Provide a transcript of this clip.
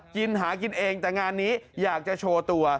กินหากินเองแต่งานนี้อยากจะโชว์ตัว